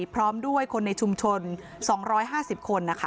พร้อมด้วยคนในชุมชน๒๕๐คนนะคะ